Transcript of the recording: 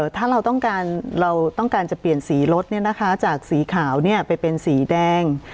ถ้าเราต้องการจะเปลี่ยนสีรถนะคะจากสีขาวไปเป็นสีแดง